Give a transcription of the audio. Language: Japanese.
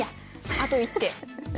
あと１手。